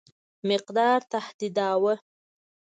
مقدار تهدیداوه.